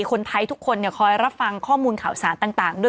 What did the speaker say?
คนไทยทุกคนคอยรับฟังข้อมูลข่าวสารต่างด้วย